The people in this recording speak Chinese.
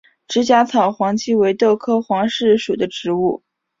直荚草黄耆为豆科黄芪属的植物。